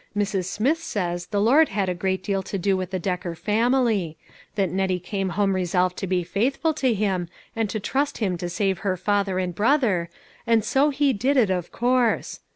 Mrs. Smith says the Lord had a great deal to do with the Decker family ; that Nettie came home resolved to be faithful to Him, and to trust Him to save her father and brother, and so He did it, of course.